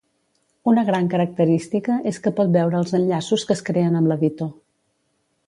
Una gran característica és que pot veure els enllaços que es creen amb l'editor.